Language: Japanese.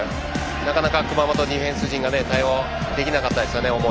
なかなか熊本のディフェンス陣が思うように対応できなかったですね。